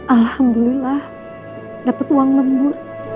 alhamdulillah dapet uang lembut